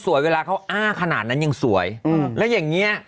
เวลาเขาอ้าขนาดนั้นยังสวยอืมแล้วอย่างเงี้ย